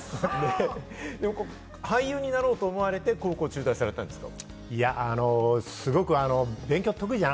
俳優になろうと思われて、高校を中退されたんですか？